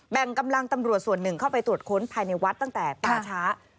งกำลังตำรวจส่วนหนึ่งเข้าไปตรวจค้นภายในวัดตั้งแต่ล่าช้า